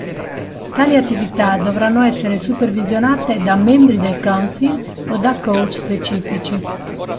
Tali attività dovranno essere supervisionate da membri del council o da coach specifici.